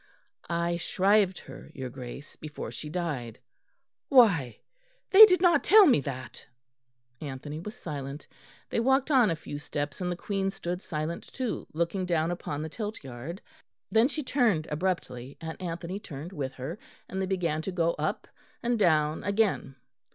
"I shrived her, your Grace, before she died." "Why! they did not tell me that." Anthony was silent. They walked on a few steps, and the Queen stood silent too, looking down upon the Tilt yard. Then she turned abruptly, and Anthony turned with her, and they began to go up and down again.